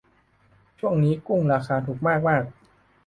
ช่วงนี้กุ้งราคาถูกมากมาก